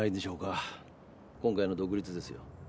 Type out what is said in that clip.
今回の独立ですよ。